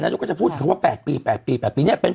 นายก็จะพูดคำว่า๘ปี๘ปี๘ปี